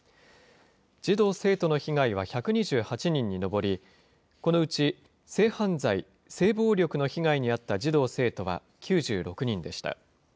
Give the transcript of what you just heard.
児童・生徒の被害は１２８人に上り、このうち性犯罪・性暴力の被害に遭った児童・生徒は９６人でした。